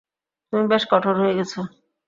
তুমি বেশ কঠোর হয়ে গেছ।